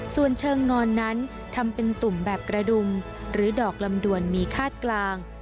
ส่วนเชิงงอนนั้นทำเป็นตุ่มแบบกระดุมหรือดอกลำดวนมีคาดกลาง